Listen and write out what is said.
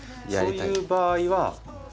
そういう場合は。